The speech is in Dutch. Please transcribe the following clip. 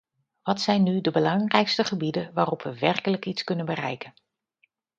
Wat zijn nu de belangrijkste gebieden waarop we werkelijk iets kunnen bereiken?